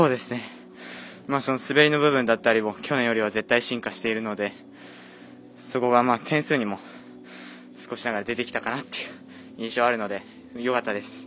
その滑りの部分だったり絶対、進化しているので、そこが点数にも少しながら出てきたかなっていう印象があるのでよかったです。